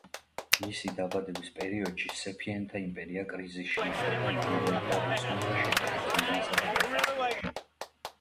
მისი დაბადების პერიოდში სეფიანთა იმპერია კრიზისში იყო და იგერიებდა ოსმალთა შეტევებს ირანსა და კავკასიაში.